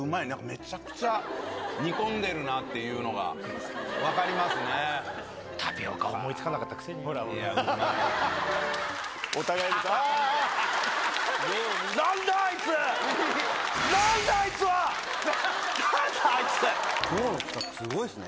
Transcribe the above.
めちゃくちゃ煮込んでるなっていうのが分かりまタピオカ思いつかなかったくお互いです。